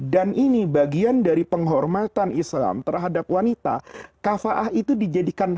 dan ini bagian dari penghormatan islam terhadap wanita kafaah itu dijadikan